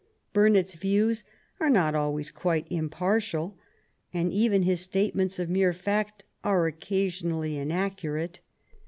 Burnet's views are not always quite impartial, and even bis statements of mere fact are occasionally inaccurate.